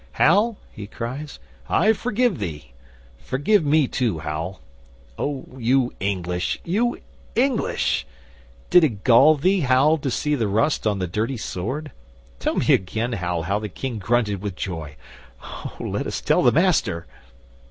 '"Hal," he cries, "I forgive thee. Forgive me too, Hal. Oh, you English, you English! Did it gall thee, Hal, to see the rust on the dirty sword? Tell me again, Hal, how the King grunted with joy. Oh, let us tell the Master."